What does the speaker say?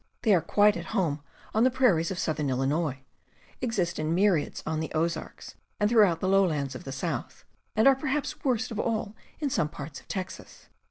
They are quite at home on the prairies of southern Illinois, exist in myriads on the Ozarks, and throughout the lowlands of the South, and are perhaps worst of all in some parts of Texas.